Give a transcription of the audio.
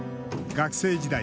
学生時代